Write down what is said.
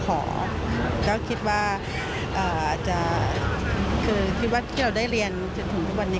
ก็คิดว่าคือคิดว่าที่เราได้เรียนจนถึงทุกวันนี้